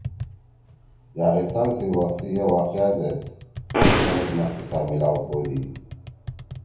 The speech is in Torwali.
یاغستان سی وخ سی اے واقع سیت خلگ مے قصہ میلاؤ کودی۔